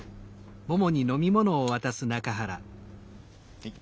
はい。